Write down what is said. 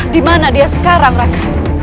dimana dia sekarang raka